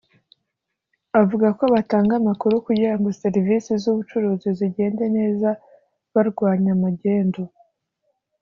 avuga ko batanga amakuru kugira ngo serivisi z’ubucuruzi zigende neza barwanya magendu